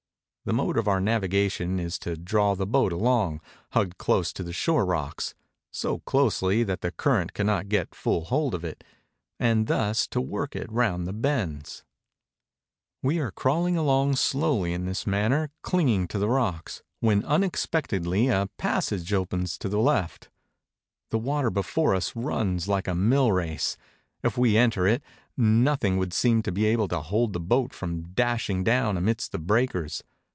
The mode of our navigation is to draw the boat along, hugged close to the shore rocks, so closely that the current cannot get full hpld of it, and thus to work it round the bends. We are crawling slowly on in this manner, clinging to the rocks, when unexpectedly a passage opens to the left. The water before us runs like a millrace. If we enter it, nothing would seem to be able to hold the boat from dashing down amidst the breakers.